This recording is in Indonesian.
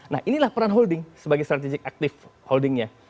nah inilah peran holding sebagai strategic active holding nya